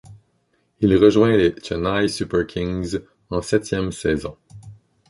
Il rejoint les Chennai Super Kings en septième saison.